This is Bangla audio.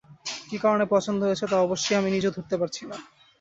কী কারণে পছন্দ হয়েছে তা অবশ্যি আমি নিজেও ধরতে পারছি না।